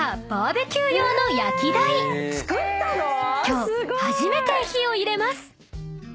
［今日初めて火を入れます］